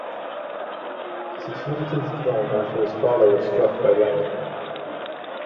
He succeeded to the throne after his father was struck by lightning.